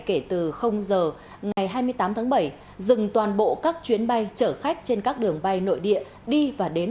kể từ giờ ngày hai mươi tám tháng bảy dừng toàn bộ các chuyến bay chở khách trên các đường bay nội địa đi và đến